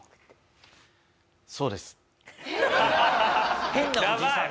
「そうです」。